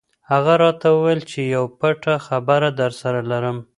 هغه راته وویل چې یوه پټه خبره درسره لرم.